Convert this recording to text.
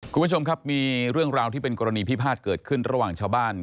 คุณผู้ชมครับมีเรื่องราวที่เป็นกรณีพิพาทเกิดขึ้นระหว่างชาวบ้าน